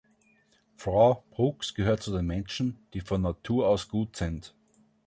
Frau Brookes gehört zu den Menschen, die von Natur aus gut sind.